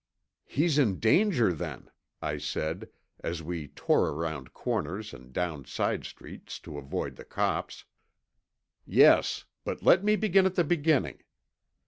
"He's in danger, then," I said, as we tore around corners and down side streets to avoid the cops. "Yes. But let me begin at the beginning.